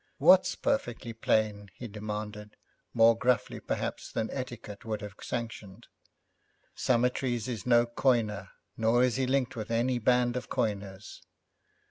'What's perfectly plain?' he demanded, more gruffly perhaps than etiquette would have sanctioned. 'Summertrees is no coiner, nor is he linked with any band of coiners.'